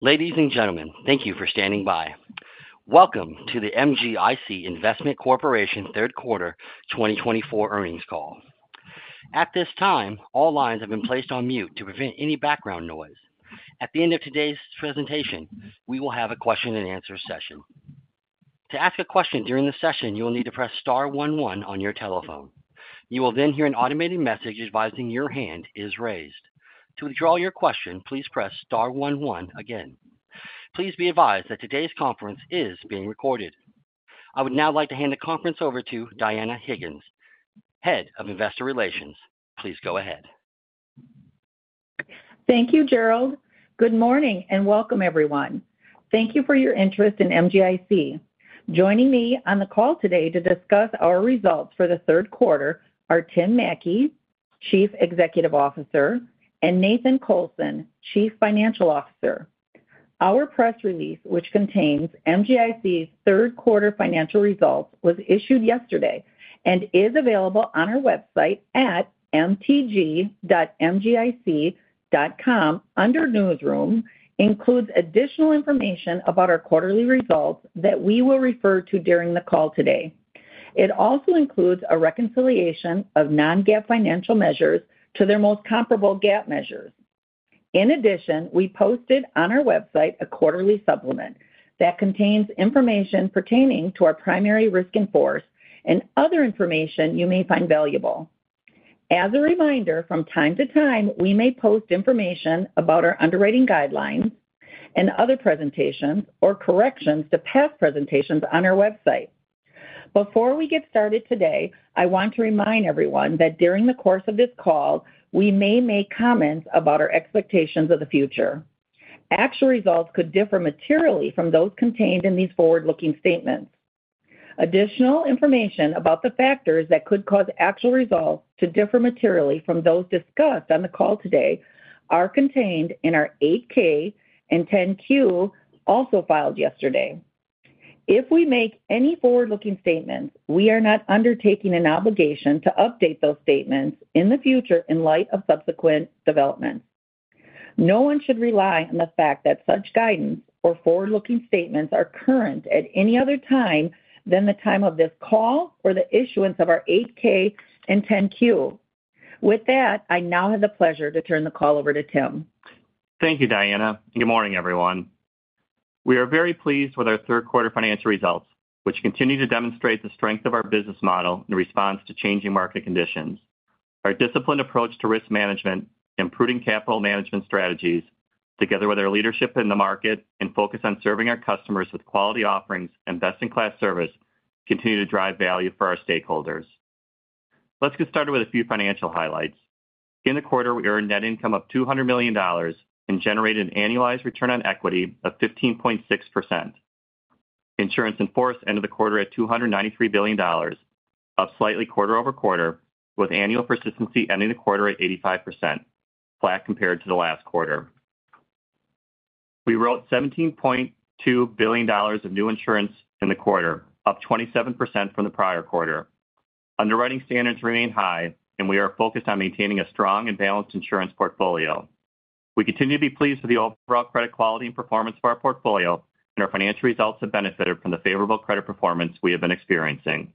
Ladies and gentlemen, thank you for standing by. Welcome to the MGIC Investment Corporation third quarter 2024 earnings call. At this time, all lines have been placed on mute to prevent any background noise. At the end of today's presentation, we will have a question-and-answer session. To ask a question during the session, you will need to press star one one on your telephone. You will then hear an automated message advising your hand is raised. To withdraw your question, please press star one one again. Please be advised that today's conference is being recorded. I would now like to hand the conference over to Dianna Higgins, Head of Investor Relations. Please go ahead. Thank you, Gerald. Good morning and welcome, everyone. Thank you for your interest in MGIC. Joining me on the call today to discuss our results for the third quarter are Tim Mattke, Chief Executive Officer, and Nathan Colson, Chief Financial Officer. Our press release, which contains MGIC's third quarter financial results, was issued yesterday and is available on our website at mtg.mgic.com under Newsroom. It includes additional information about our quarterly results that we will refer to during the call today. It also includes a reconciliation of non-GAAP financial measures to their most comparable GAAP measures. In addition, we posted on our website a quarterly supplement that contains information pertaining to our primary risk in force and other information you may find valuable. As a reminder, from time to time, we may post information about our underwriting guidelines and other presentations or corrections to past presentations on our website. Before we get started today, I want to remind everyone that during the course of this call, we may make comments about our expectations of the future. Actual results could differ materially from those contained in these forward-looking statements. Additional information about the factors that could cause actual results to differ materially from those discussed on the call today is contained in our 8-K and 10-Q also filed yesterday. If we make any forward-looking statements, we are not undertaking an obligation to update those statements in the future in light of subsequent developments. No one should rely on the fact that such guidance or forward-looking statements are current at any other time than the time of this call or the issuance of our 8-K and 10-Q. With that, I now have the pleasure to turn the call over to Tim. Thank you, Dianna. Good morning, everyone. We are very pleased with our third quarter financial results, which continue to demonstrate the strength of our business model in response to changing market conditions. Our disciplined approach to risk management, improving capital management strategies, together with our leadership in the market and focus on serving our customers with quality offerings and best-in-class service, continue to drive value for our stakeholders. Let's get started with a few financial highlights. In the quarter, we earned net income of $200 million and generated an annualized return on equity of 15.6%. Insurance in force ended the quarter at $293 billion, up slightly quarter over quarter, with annual persistency ending the quarter at 85%, flat compared to the last quarter. We wrote $17.2 billion of new insurance in the quarter, up 27% from the prior quarter. Underwriting standards remain high, and we are focused on maintaining a strong and balanced insurance portfolio. We continue to be pleased with the overall credit quality and performance of our portfolio, and our financial results have benefited from the favorable credit performance we have been experiencing.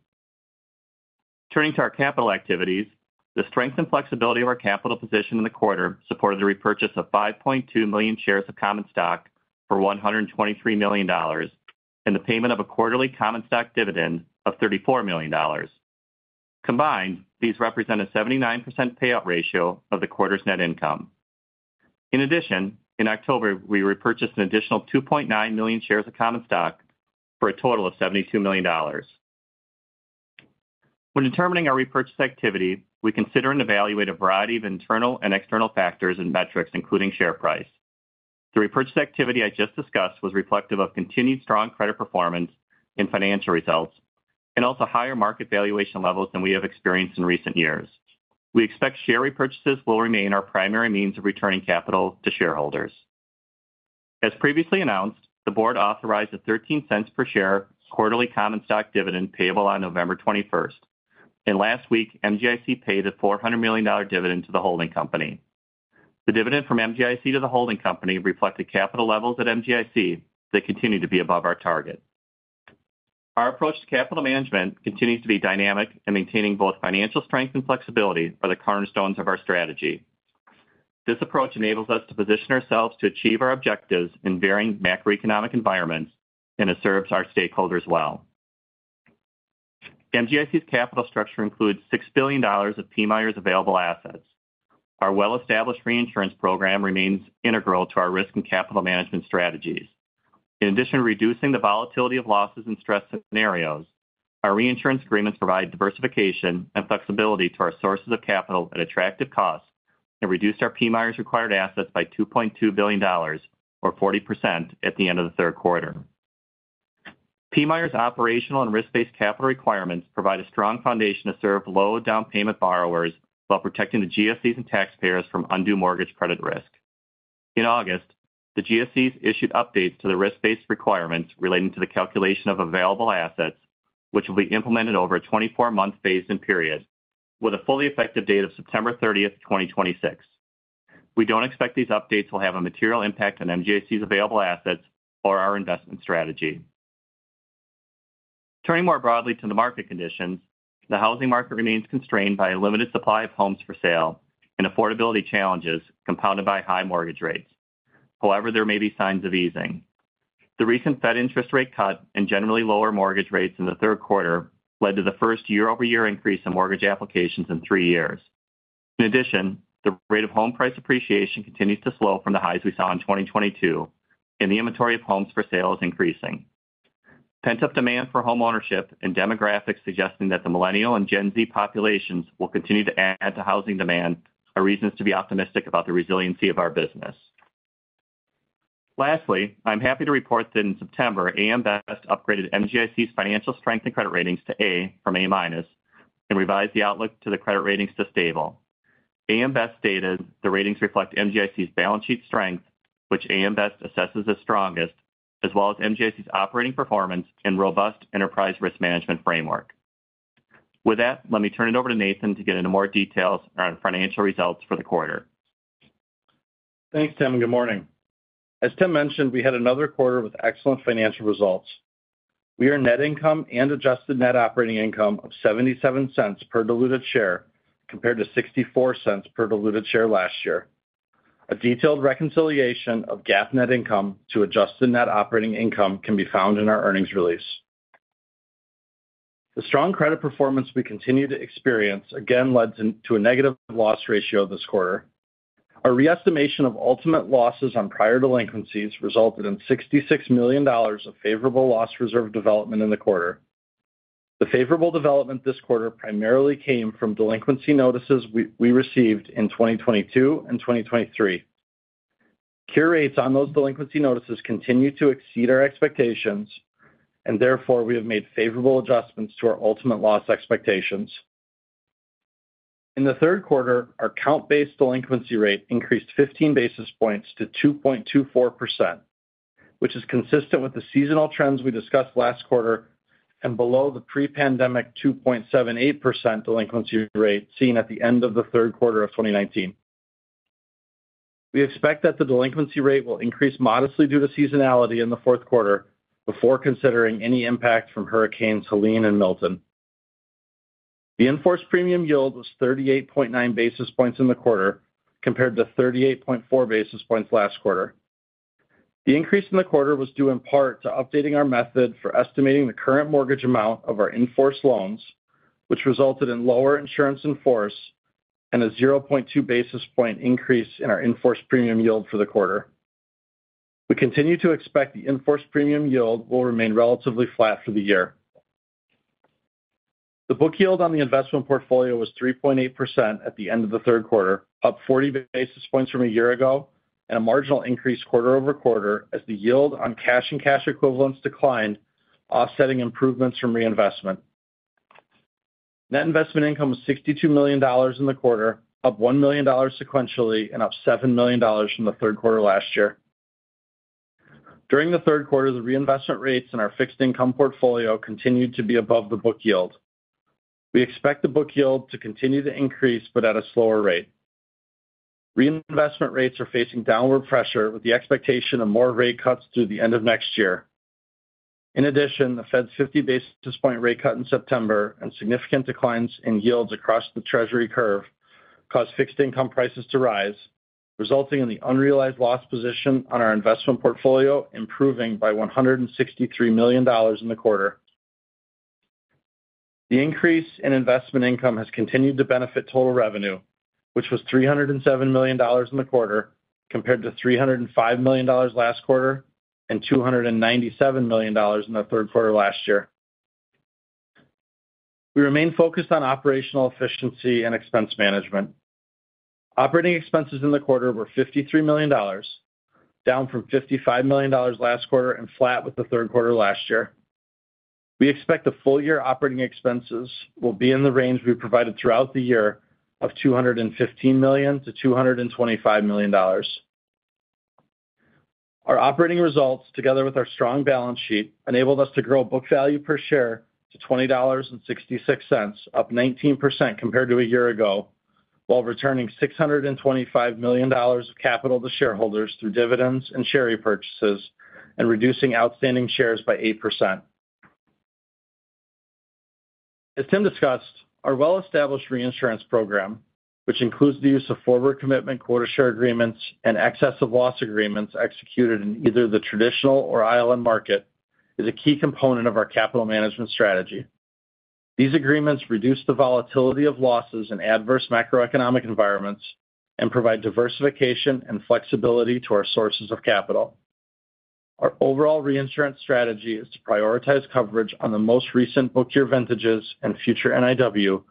Turning to our capital activities, the strength and flexibility of our capital position in the quarter supported the repurchase of 5.2 million shares of common stock for $123 million and the payment of a quarterly common stock dividend of $34 million. Combined, these represent a 79% payout ratio of the quarter's net income. In addition, in October, we repurchased an additional 2.9 million shares of common stock for a total of $72 million. When determining our repurchase activity, we consider and evaluate a variety of internal and external factors and metrics, including share price. The repurchase activity I just discussed was reflective of continued strong credit performance and financial results and also higher market valuation levels than we have experienced in recent years. We expect share repurchases will remain our primary means of returning capital to shareholders. As previously announced, the board authorized a $0.13 per share quarterly common stock dividend payable on November 21st, and last week, MGIC paid a $400 million dividend to the holding company. The dividend from MGIC to the holding company reflected capital levels at MGIC that continue to be above our target. Our approach to capital management continues to be dynamic and maintaining both financial strength and flexibility are the cornerstones of our strategy. This approach enables us to position ourselves to achieve our objectives in varying macroeconomic environments, and it serves our stakeholders well. MGIC's capital structure includes $6 billion of PMIERs available assets. Our well-established reinsurance program remains integral to our risk and capital management strategies. In addition to reducing the volatility of losses and stress scenarios, our reinsurance agreements provide diversification and flexibility to our sources of capital at attractive costs and reduced our PMIERs' required assets by $2.2 billion, or 40%, at the end of the third quarter. PMIERs' operational and risk-based capital requirements provide a strong foundation to serve low down payment borrowers while protecting the GSEs and taxpayers from undue mortgage credit risk. In August, the GSEs issued updates to the risk-based requirements relating to the calculation of available assets, which will be implemented over a 24-month phase-in period with a fully effective date of September 30, 2026. We don't expect these updates will have a material impact on MGIC's available assets or our investment strategy. Turning more broadly to the market conditions, the housing market remains constrained by a limited supply of homes for sale and affordability challenges compounded by high mortgage rates. However, there may be signs of easing. The recent Fed interest rate cut and generally lower mortgage rates in the third quarter led to the first year-over-year increase in mortgage applications in three years. In addition, the rate of home price appreciation continues to slow from the highs we saw in 2022, and the inventory of homes for sale is increasing. Pent-up demand for homeownership and demographics suggesting that the millennial and Gen Z populations will continue to add to housing demand are reasons to be optimistic about the resiliency of our business. Lastly, I'm happy to report that in September, AM Best upgraded MGIC's financial strength and credit ratings to A from A- and revised the outlook to the credit ratings to stable. AM Best stated the ratings reflect MGIC's balance sheet strength, which AM Best assesses as strongest, as well as MGIC's operating performance and robust enterprise risk management framework. With that, let me turn it over to Nathan to get into more details on our financial results for the quarter. Thanks, Tim, and good morning. As Tim mentioned, we had another quarter with excellent financial results. Our net income and adjusted net operating income of $0.77 per diluted share compared to $0.64 per diluted share last year. A detailed reconciliation of GAAP net income to adjusted net operating income can be found in our earnings release. The strong credit performance we continue to experience again led to a negative loss ratio this quarter. Our re-estimation of ultimate losses on prior delinquencies resulted in $66 million of favorable loss reserve development in the quarter. The favorable development this quarter primarily came from delinquency notices we received in 2022 and 2023. Cure rates on those delinquency notices continue to exceed our expectations, and therefore we have made favorable adjustments to our ultimate loss expectations. In the third quarter, our count-based delinquency rate increased 15 basis points to 2.24%, which is consistent with the seasonal trends we discussed last quarter and below the pre-pandemic 2.78% delinquency rate seen at the end of the third quarter of 2019. We expect that the delinquency rate will increase modestly due to seasonality in the fourth quarter before considering any impact from Hurricanes Helene and Milton. The in-force premium yield was 38.9 basis points in the quarter compared to 38.4 basis points last quarter. The increase in the quarter was due in part to updating our method for estimating the current mortgage amount of our insured loans, which resulted in lower insurance in force and a 0.2 basis point increase in our in-force premium yield for the quarter. We continue to expect the in-force premium yield will remain relatively flat for the year. The book yield on the investment portfolio was 3.8% at the end of the third quarter, up 40 basis points from a year ago and a marginal increase quarter over quarter as the yield on cash and cash equivalents declined, offsetting improvements from reinvestment. Net investment income was $62 million in the quarter, up $1 million sequentially, and up $7 million from the third quarter last year. During the third quarter, the reinvestment rates in our fixed income portfolio continued to be above the book yield. We expect the book yield to continue to increase, but at a slower rate. Reinvestment rates are facing downward pressure with the expectation of more rate cuts through the end of next year. In addition, the Fed's 50 basis point rate cut in September and significant declines in yields across the Treasury curve caused fixed income prices to rise, resulting in the unrealized loss position on our investment portfolio improving by $163 million in the quarter. The increase in investment income has continued to benefit total revenue, which was $307 million in the quarter compared to $305 million last quarter and $297 million in the third quarter last year. We remain focused on operational efficiency and expense management. Operating expenses in the quarter were $53 million, down from $55 million last quarter and flat with the third quarter last year. We expect the full year operating expenses will be in the range we provided throughout the year of $215 million-$225 million. Our operating results, together with our strong balance sheet, enabled us to grow book value per share to $20.66, up 19% compared to a year ago, while returning $625 million of capital to shareholders through dividends and share repurchases and reducing outstanding shares by 8%. As Tim discussed, our well-established reinsurance program, which includes the use of forward commitment quota share agreements and excess of loss agreements executed in either the traditional or ILN market, is a key component of our capital management strategy. These agreements reduce the volatility of losses in adverse macroeconomic environments and provide diversification and flexibility to our sources of capital. Our overall reinsurance strategy is to prioritize coverage on the most recent book year vintages and future NIW,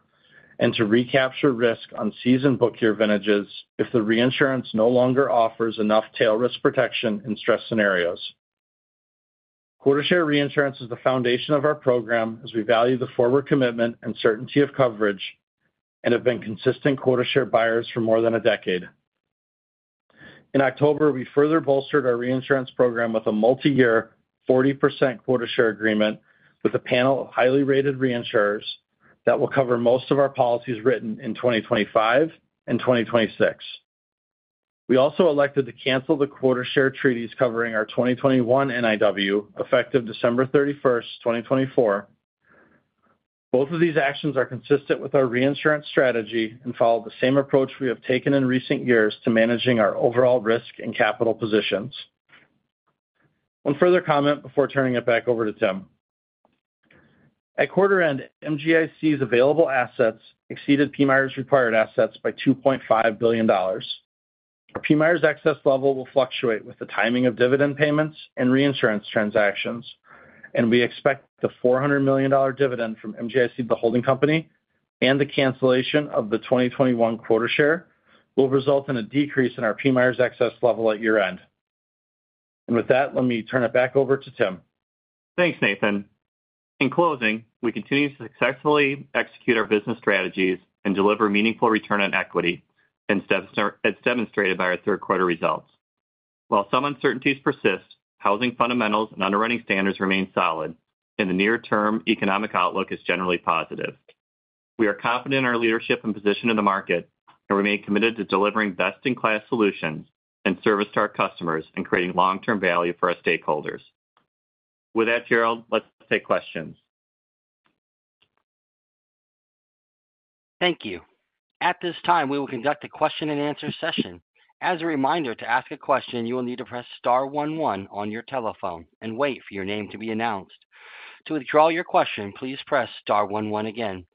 and to recapture risk on seasoned book year vintages if the reinsurance no longer offers enough tail risk protection in stress scenarios. Quota share reinsurance is the foundation of our program as we value the forward commitment and certainty of coverage and have been consistent quota share buyers for more than a decade. In October, we further bolstered our reinsurance program with a multi-year 40% quota share agreement with a panel of highly rated reinsurers that will cover most of our policies written in 2025 and 2026. We also elected to cancel the quota share treaties covering our 2021 NIW, effective December 31, 2024. Both of these actions are consistent with our reinsurance strategy and follow the same approach we have taken in recent years to managing our overall risk and capital positions. One further comment before turning it back over to Tim. At quarter end, MGIC's available assets exceeded PMIERs' required assets by $2.5 billion. PMIERs' excess level will fluctuate with the timing of dividend payments and reinsurance transactions, and we expect the $400 million dividend from MGIC, the holding company, and the cancellation of the 2021 quota share will result in a decrease in our PMIERs' excess level at year-end. With that, let me turn it back over to Tim. Thanks, Nathan. In closing, we continue to successfully execute our business strategies and deliver meaningful return on equity, as demonstrated by our third quarter results. While some uncertainties persist, housing fundamentals and underwriting standards remain solid, and the near-term economic outlook is generally positive. We are confident in our leadership and position in the market, and remain committed to delivering best-in-class solutions and service to our customers and creating long-term value for our stakeholders. With that, Gerald, let's take questions. Thank you. At this time, we will conduct a question-and-answer session. As a reminder, to ask a question, you will need to press star one one on your telephone and wait for your name to be announced. To withdraw your question, please press star one one again.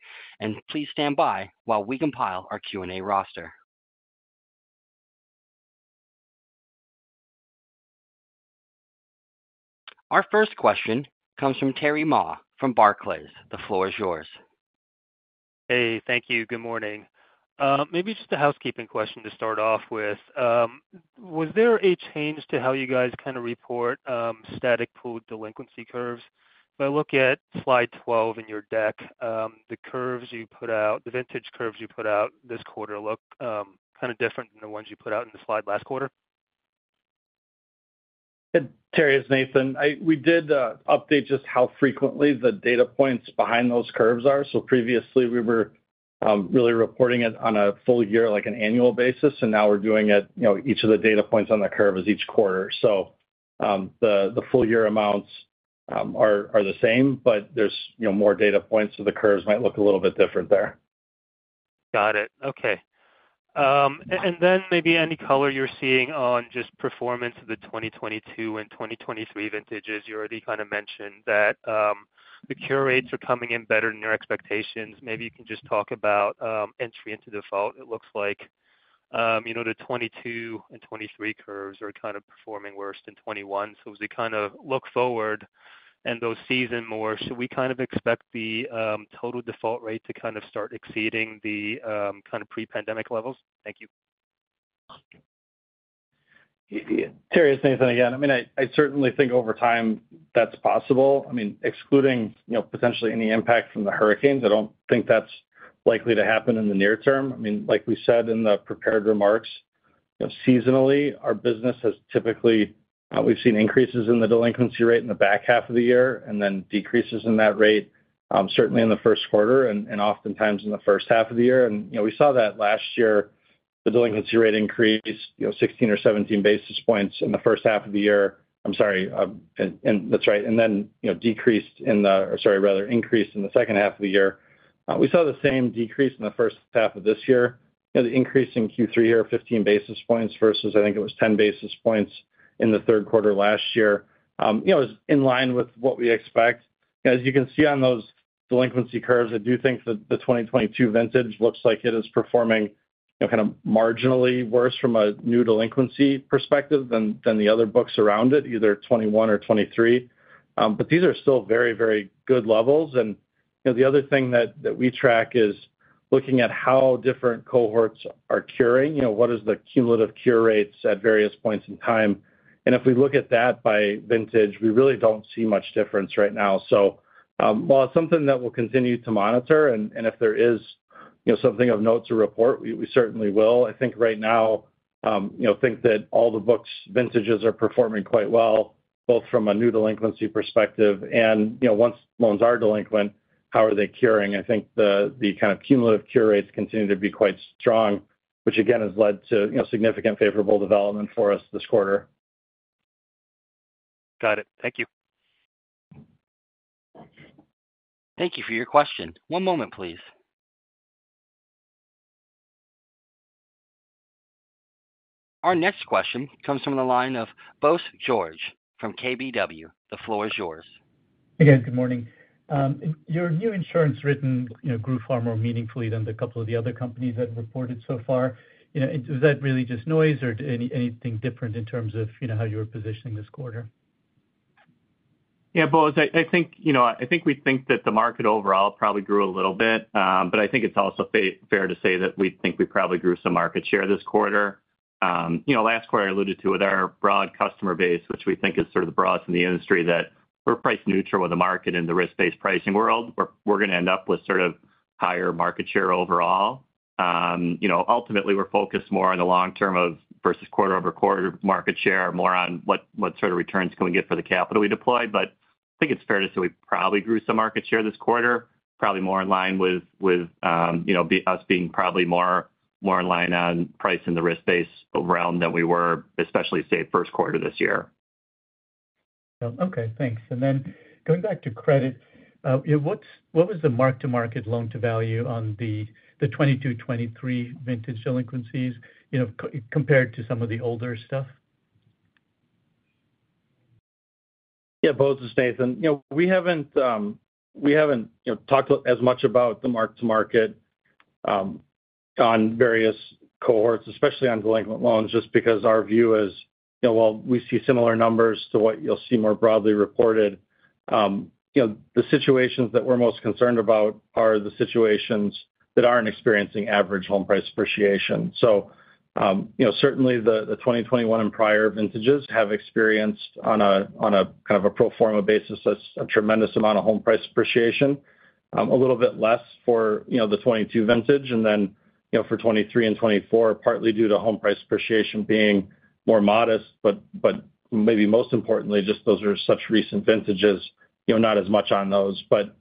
And please stand by while we compile our Q&A roster. Our first question comes from Terry Ma from Barclays. The floor is yours. Hey, thank you. Good morning. Maybe just a housekeeping question to start off with. Was there a change to how you guys kind of report static pool delinquency curves? If I look at slide 12 in your deck, the curves you put out, the vintage curves you put out this quarter look kind of different than the ones you put out in the slide last quarter? Terry, it's Nathan. We did update just how frequently the data points behind those curves are. Previously, we were really reporting it on a full year, like an annual basis. Now we're doing it, each of the data points on the curve is each quarter. The full year amounts are the same, but there's more data points, so the curves might look a little bit different there. Got it. Okay. And then maybe any color you're seeing on just performance of the 2022 and 2023 vintages. You already kind of mentioned that the cure rates are coming in better than your expectations. Maybe you can just talk about entry into default. It looks like the 2022 and 2023 curves are kind of performing worse than 2021. So as we kind of look forward and those season more, should we kind of expect the total default rate to kind of start exceeding the kind of pre-pandemic levels? Thank you. This is Nathan again. I mean, I certainly think over time that's possible. I mean, excluding potentially any impact from the hurricanes, I don't think that's likely to happen in the near term. I mean, like we said in the prepared remarks, seasonally, our business has typically seen increases in the delinquency rate in the back half of the year and then decreases in that rate, certainly in the first quarter and oftentimes in the first half of the year, and we saw that last year, the delinquency rate increased 16 or 17 basis points in the first half of the year. I'm sorry. And that's right. And then decreased, or sorry, rather increased in the second half of the year. We saw the same decrease in the first half of this year. The increase in Q3 here, 15 basis points versus I think it was 10 basis points in the third quarter last year, is in line with what we expect. As you can see on those delinquency curves, I do think that the 2022 vintage looks like it is performing kind of marginally worse from a new delinquency perspective than the other books around it, either 2021 or 2023. But these are still very, very good levels. And the other thing that we track is looking at how different cohorts are curing. What is the cumulative cure rates at various points in time? And if we look at that by vintage, we really don't see much difference right now. So while it's something that we'll continue to monitor, and if there is something of note to report, we certainly will. I think right now, I think that all the book vintages are performing quite well, both from a new delinquency perspective, and once loans are delinquent, how are they curing? I think the kind of cumulative cure rates continue to be quite strong, which again has led to significant favorable development for us this quarter. Got it. Thank you. Thank you for your question. One moment, please. Our next question comes from the line of Bose George from KBW. The floor is yours. Hey, guys. Good morning. Your new insurance written grew far more meaningfully than a couple of the other companies that reported so far. Was that really just noise or anything different in terms of how you were positioning this quarter? Yeah, Bose, I think we think that the market overall probably grew a little bit, but I think it's also fair to say that we think we probably grew some market share this quarter. Last quarter, I alluded to with our broad customer base, which we think is sort of the broadest in the industry, that we're price neutral with the market in the risk-based pricing world. We're going to end up with sort of higher market share overall. Ultimately, we're focused more on the long term over versus quarter over quarter market share, more on what sort of returns can we get for the capital we deploy. But I think it's fair to say we probably grew some market share this quarter, probably more in line with us being probably more in line on price and the risk-based around than we were, especially, say, first quarter this year. Okay. Thanks, and then going back to credit, what was the mark-to-market loan-to-value on the 2022, 2023 vintage delinquencies compared to some of the older stuff? Yeah, Bose. It's Nathan. We haven't talked as much about the mark-to-market on various cohorts, especially on delinquent loans, just because our view is, well, we see similar numbers to what you'll see more broadly reported. The situations that we're most concerned about are the situations that aren't experiencing average home price appreciation. So certainly, the 2021 and prior vintages have experienced, on a kind of a pro forma basis, a tremendous amount of home price appreciation. A little bit less for the 2022 vintage, and then for 2023 and 2024, partly due to home price appreciation being more modest, but maybe most importantly, just those are such recent vintages, not as much on those. But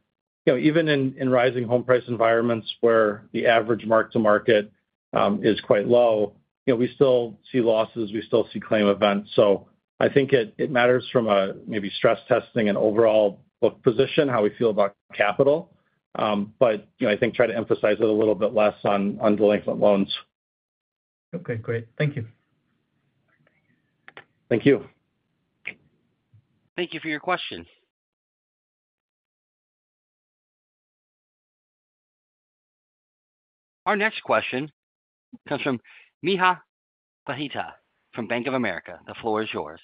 even in rising home price environments where the average mark-to-market is quite low, we still see losses. We still see claim events. So, I think it matters from a maybe stress testing and overall book position, how we feel about capital, but I think try to emphasize it a little bit less on delinquent loans. Okay. Great. Thank you. Thank you. Thank you for your question. Our next question comes from Mihir Bhatia from Bank of America. The floor is yours.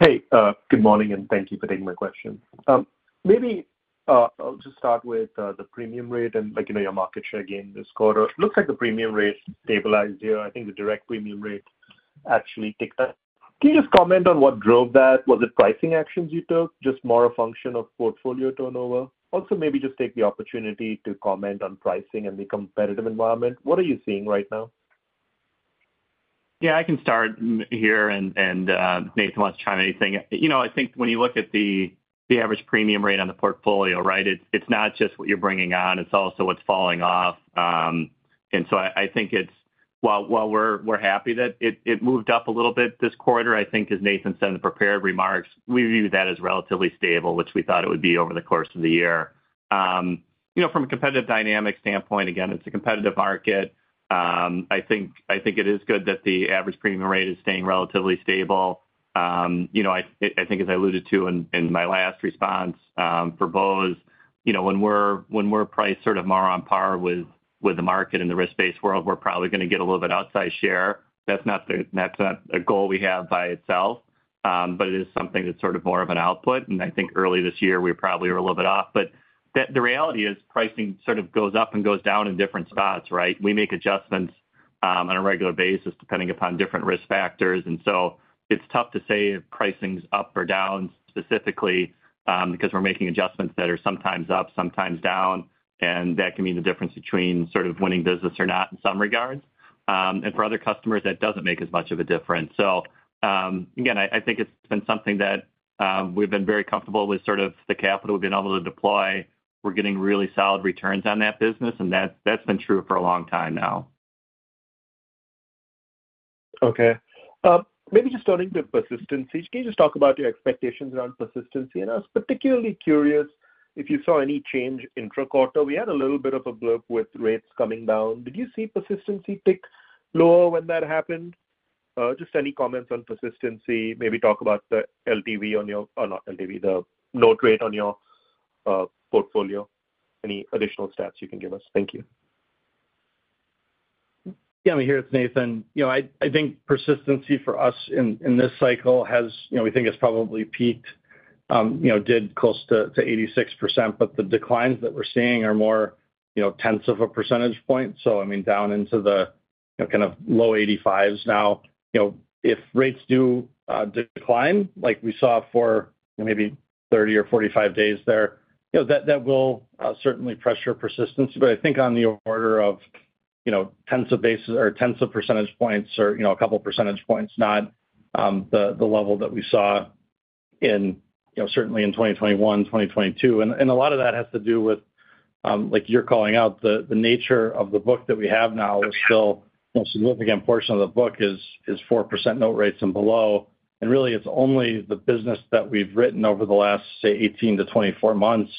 Hey, good morning, and thank you for taking my question. Maybe I'll just start with the premium rate and your market share gain this quarter. It looks like the premium rate stabilized here. I think the direct premium rate actually ticked up. Can you just comment on what drove that? Was it pricing actions you took, just more a function of portfolio turnover? Also, maybe just take the opportunity to comment on pricing and the competitive environment. What are you seeing right now? Yeah, I can start here, and Nathan wants to chime in anything. I think when you look at the average premium rate on the portfolio, right, it's not just what you're bringing on. It's also what's falling off. And so I think while we're happy that it moved up a little bit this quarter, I think, as Nathan said in the prepared remarks, we view that as relatively stable, which we thought it would be over the course of the year. From a competitive dynamic standpoint, again, it's a competitive market. I think it is good that the average premium rate is staying relatively stable. I think, as I alluded to in my last response for Bose, when we're priced sort of more on par with the market and the risk-based world, we're probably going to get a little bit outside share. That's not a goal we have by itself, but it is something that's sort of more of an output. And I think early this year, we probably were a little bit off. But the reality is pricing sort of goes up and goes down in different spots, right? We make adjustments on a regular basis depending upon different risk factors. And so it's tough to say if pricing's up or down specifically because we're making adjustments that are sometimes up, sometimes down, and that can mean the difference between sort of winning business or not in some regards. And for other customers, that doesn't make as much of a difference. So again, I think it's been something that we've been very comfortable with sort of the capital we've been able to deploy. We're getting really solid returns on that business, and that's been true for a long time now. Okay. Maybe just starting with persistency. Can you just talk about your expectations around persistency? And I was particularly curious if you saw any change intra-quarter. We had a little bit of a blip with rates coming down. Did you see persistency tick lower when that happened? Just any comments on persistency? Maybe talk about the LTV on your not LTV, the note rate on your portfolio. Any additional stats you can give us? Thank you. Yeah, I'm here with Nathan. I think persistency for us in this cycle has, we think it's probably peaked, did close to 86%, but the declines that we're seeing are more tenths of a percentage point. So I mean, down into the kind of low 85s now. If rates do decline, like we saw for maybe 30 or 45 days there, that will certainly pressure persistency. But I think on the order of tenths of percentage points or a couple of percentage points, not the level that we saw certainly in 2021, 2022, and a lot of that has to do with, like you're calling out, the nature of the book that we have now is still a significant portion of the book is 4% note rates and below. And really, it's only the business that we've written over the last, say, 18 to 24 months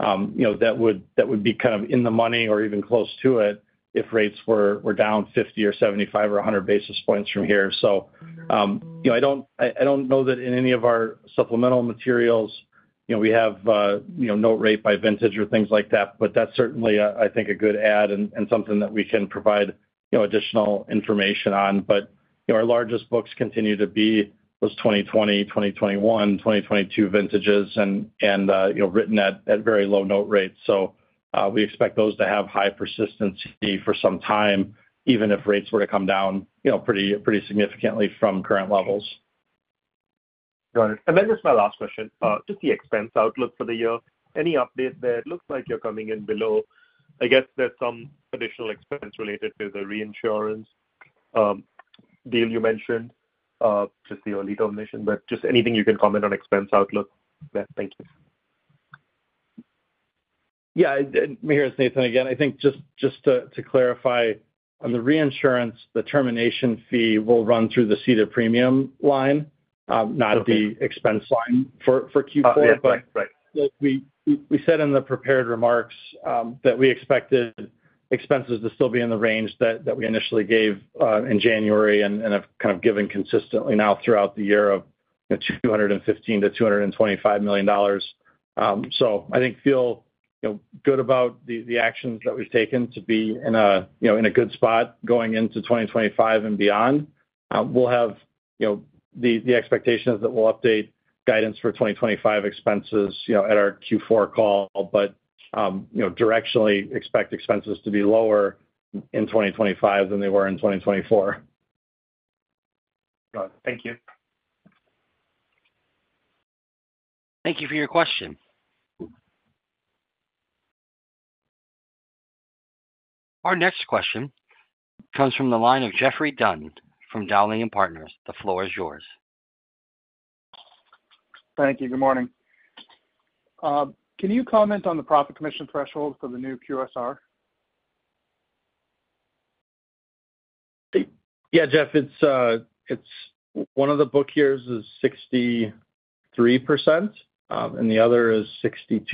that would be kind of in the money or even close to it if rates were down 50 or 75 or 100 basis points from here. So I don't know that in any of our supplemental materials, we have note rate by vintage or things like that, but that's certainly, I think, a good add and something that we can provide additional information on. But our largest books continue to be those 2020, 2021, 2022 vintages and written at very low note rates. So we expect those to have high persistency for some time, even if rates were to come down pretty significantly from current levels. Got it. And then just my last question. Just the expense outlook for the year. Any update there? It looks like you're coming in below. I guess there's some additional expense related to the reinsurance deal you mentioned, just the early termination, but just anything you can comment on expense outlook there. Thank you. Yeah. I'm here with Nathan again. I think just to clarify, on the reinsurance, the termination fee will run through the ceded premium line, not the expense line for Q4. But we said in the prepared remarks that we expected expenses to still be in the range that we initially gave in January and have kind of given consistently now throughout the year of $215 million-$225 million. So I think feel good about the actions that we've taken to be in a good spot going into 2025 and beyond. We'll have the expectations that we'll update guidance for 2025 expenses at our Q4 call, but directionally expect expenses to be lower in 2025 than they were in 2024. Got it. Thank you. Thank you for your question. Our next question comes from the line of Geoffrey Dunn from Dowling & Partners. The floor is yours. Thank you. Good morning. Can you comment on the profit commission threshold for the new QSR? Yeah, Geoff, it's one of the book years is 63%, and the other is 62%.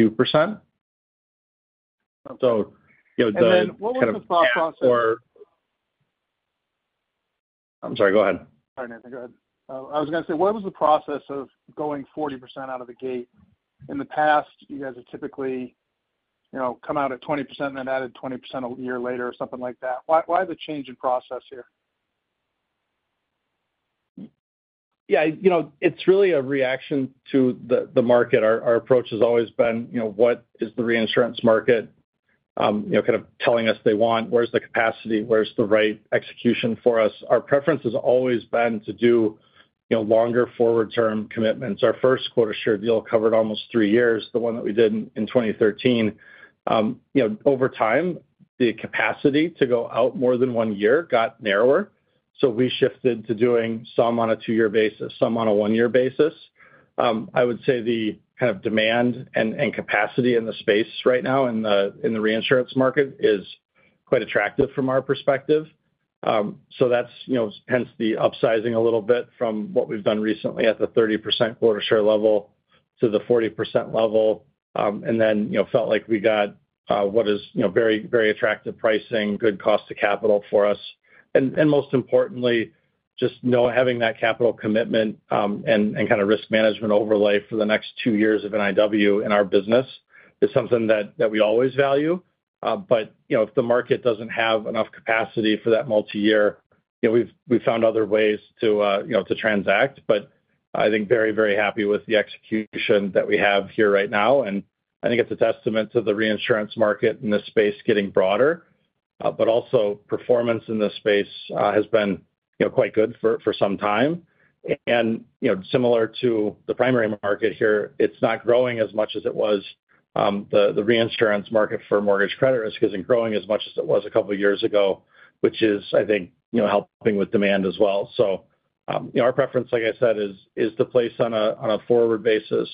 So the kind of. And then what was the process? I'm sorry. Go ahead. Sorry, Nathan. Go ahead. I was going to say, what was the process of going 40% out of the gate? In the past, you guys would typically come out at 20% and then added 20% a year later or something like that. Why the change in process here? Yeah, it's really a reaction to the market. Our approach has always been, what is the reinsurance market kind of telling us they want? Where's the capacity? Where's the right execution for us? Our preference has always been to do longer forward-term commitments. Our first quota share deal covered almost three years, the one that we did in 2013. Over time, the capacity to go out more than one year got narrower. So we shifted to doing some on a two-year basis, some on a one-year basis. I would say the kind of demand and capacity in the space right now in the reinsurance market is quite attractive from our perspective. So that's hence the upsizing a little bit from what we've done recently at the 30% quota share level to the 40% level. And then felt like we got what is very, very attractive pricing, good cost to capital for us. And most importantly, just having that capital commitment and kind of risk management overlay for the next two years of NIW in our business is something that we always value. But if the market doesn't have enough capacity for that multi-year, we've found other ways to transact. But I think very, very happy with the execution that we have here right now. And I think it's a testament to the reinsurance market in this space getting broader, but also performance in this space has been quite good for some time. And similar to the primary market here, it's not growing as much as it was. The reinsurance market for mortgage credit risk isn't growing as much as it was a couple of years ago, which is, I think, helping with demand as well. So our preference, like I said, is to place on a forward basis,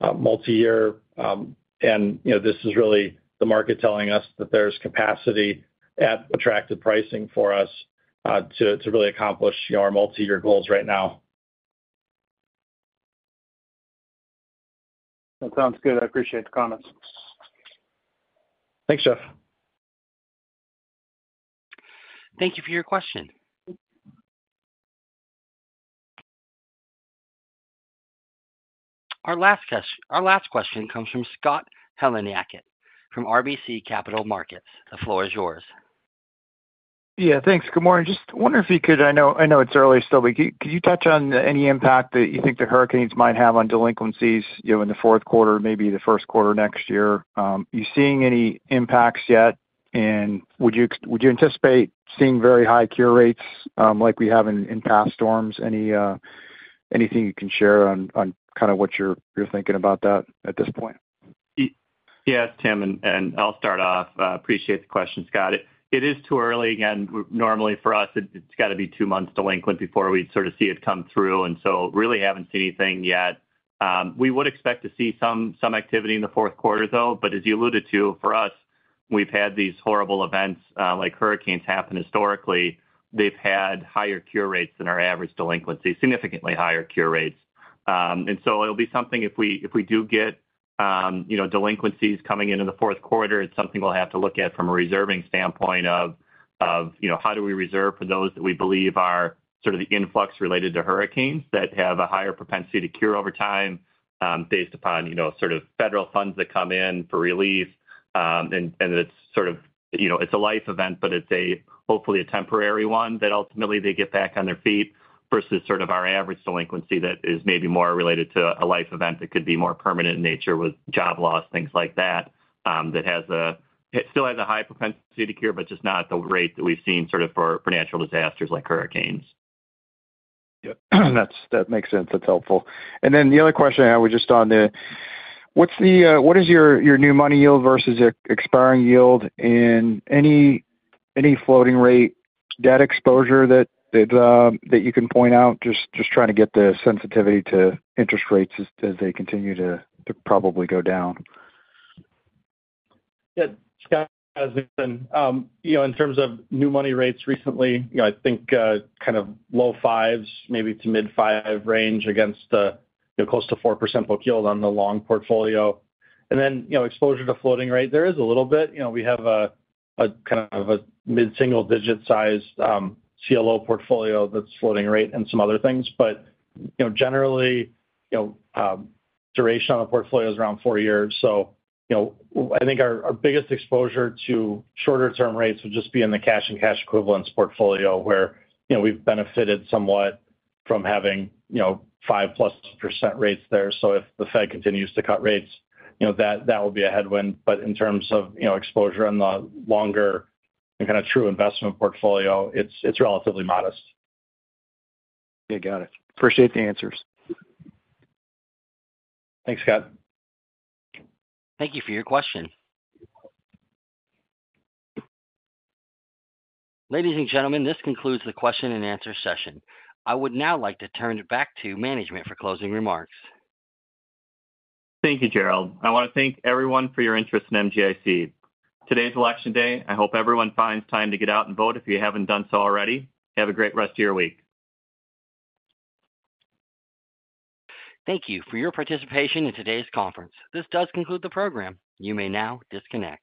multi-year. And this is really the market telling us that there's capacity at attractive pricing for us to really accomplish our multi-year goals right now. That sounds good. I appreciate the comments. Thanks, Geoff. Thank you for your question. Our last question comes from Scott Heleniak from RBC Capital Markets. The floor is yours. Yeah, thanks. Good morning. Just wondering if you could, I know it's early still, but could you touch on any impact that you think the hurricanes might have on delinquencies in the fourth quarter, maybe the first quarter next year? Are you seeing any impacts yet? And would you anticipate seeing very high cure rates like we have in past storms? Anything you can share on kind of what you're thinking about that at this point? Yeah, it's Tim, and I'll start off. I appreciate the question, Scott. It is too early. Again, normally for us, it's got to be two months delinquent before we'd sort of see it come through. And so really haven't seen anything yet. We would expect to see some activity in the fourth quarter, though. But as you alluded to, for us, we've had these horrible events. Like hurricanes happen historically, they've had higher cure rates than our average delinquencies, significantly higher cure rates. And so it'll be something if we do get delinquencies coming into the fourth quarter. It's something we'll have to look at from a reserving standpoint of how do we reserve for those that we believe are sort of the influx related to hurricanes that have a higher propensity to cure over time based upon sort of federal funds that come in for relief. It's sort of a life event, but it's hopefully a temporary one that ultimately they get back on their feet versus sort of our average delinquency that is maybe more related to a life event that could be more permanent in nature with job loss, things like that, that still has a high propensity to cure, but just not the rate that we've seen sort of for natural disasters like hurricanes. Yeah. That makes sense. That's helpful. And then the other question I had was just on the—what is your new money yield versus expiring yield? And any floating rate debt exposure that you can point out? Just trying to get the sensitivity to interest rates as they continue to probably go down. Yeah, Scott, as I said, in terms of new money rates recently, I think kind of low fives, maybe to mid-five range against close to 4% book yield on the long portfolio. And then exposure to floating rate, there is a little bit. We have a kind of a mid-single-digit size CLO portfolio that's floating rate and some other things. But generally, duration on the portfolio is around four years. So I think our biggest exposure to shorter-term rates would just be in the cash and cash equivalents portfolio where we've benefited somewhat from having 5-plus% rates there. So if the Fed continues to cut rates, that will be a headwind. But in terms of exposure on the longer and kind of true investment portfolio, it's relatively modest. Yeah, got it. Appreciate the answers. Thanks, Scott. Thank you for your question. Ladies and gentlemen, this concludes the question and answer session. I would now like to turn it back to management for closing remarks. Thank you, Gerald. I want to thank everyone for your interest in MGIC. Today's Election Day, I hope everyone finds time to get out and vote if you haven't done so already. Have a great rest of your week. Thank you for your participation in today's conference. This does conclude the program. You may now disconnect.